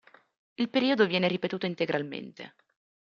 Il periodo viene ripetuto integralmente.